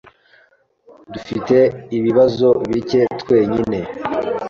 Dufite ibibazo bike twenyine.